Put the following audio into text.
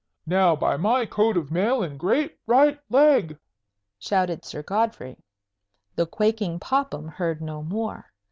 "Now, by my coat of mail and great right leg!" shouted Sir Godfrey. The quaking Popham heard no more.